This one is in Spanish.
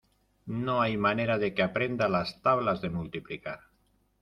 No hay manera de que aprenda las tablas de multiplicar.